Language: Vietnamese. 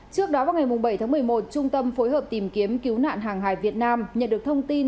trước đó vào ngày bảy tháng một mươi một trung tâm phối hợp tìm kiếm cứu nạn hàng hải việt nam nhận được thông tin